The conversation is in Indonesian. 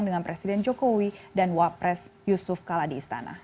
dengan presiden jokowi dan wapres yusuf kala di istana